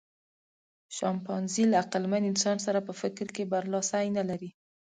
شامپانزي له عقلمن انسان سره په فکر کې برلاسی نهلري.